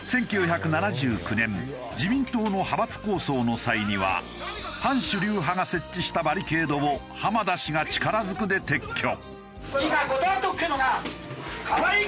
１９７９年自民党の派閥抗争の際には反主流派が設置したバリケードを浜田氏が力ずくで撤去。